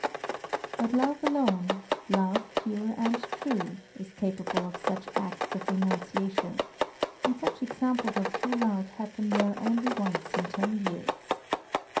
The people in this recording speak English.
But love alone, love pure and true, is capable of such acts of renunciation, and such examples of true love happen here only once in ten years.